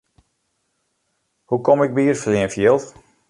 Hoe kom ik by it fleanfjild?